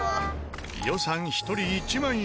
予算１人１万円。